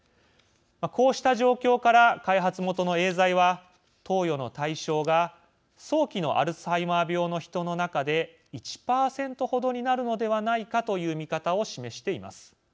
こうした状況から開発元のエーザイは投与の対象が、早期のアルツハイマー病の人の中で１％程になるのではないかという見方を示しています。